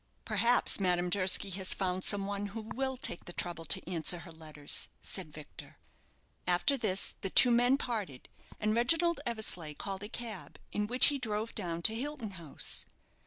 "Perhaps Madame Durski has found some one who will take the trouble to answer her letters," said Victor. After this, the two men parted, and Reginald Eversleigh called a cab, in which he drove down to Hilton House.